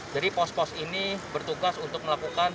jadi pos pos ini bertugas untuk melakukan